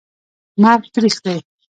مرګ تریخ دي